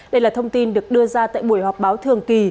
đây là thông tin được đưa ra tại buổi họp báo thường kỳ